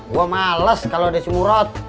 gua males kalo ada si murot